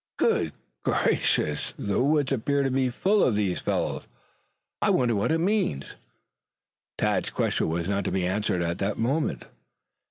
"Good gracious, the woods appear to be full of these fellows. I wonder what it means?" Tad's question was not to be answered at that moment.